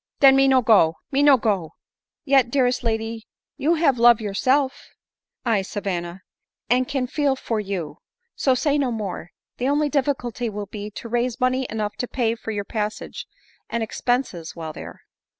" Den me no go — me no go ;— yet, dearest lady, you have love yourself." " Aye, Savanna, and can feel for you; so say no more. The only difficulty will be to raise money enough to pay for your passage, and expenses while there." ■M ADELINE MOWBRAY.